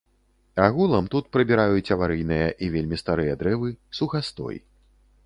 Агулам тут прыбіраюць аварыйныя і вельмі старыя дрэвы, сухастой.